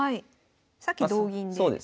さっき同銀で。